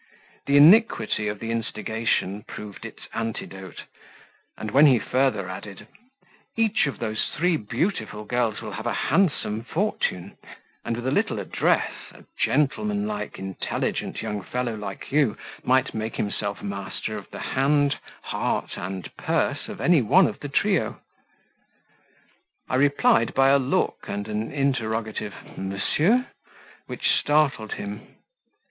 The iniquity of the instigation proved its antidote, and when he further added: "Each of those three beautiful girls will have a handsome fortune; and with a little address, a gentlemanlike, intelligent young fellow like you might make himself master of the hand, heart, and purse of any one of the trio." I replied by a look and an interrogative "Monsieur?" which startled him.